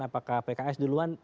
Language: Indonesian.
apakah pks duluan